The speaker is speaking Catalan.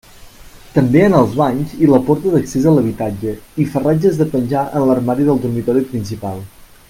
També en els banys i la porta d'accés a l'habitatge i ferratges de penjar en l'armari del dormitori principal.